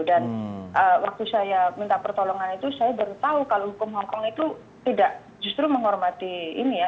dan waktu saya minta pertolongan itu saya baru tahu kalau hukum hongkong itu tidak justru menghormati ini ya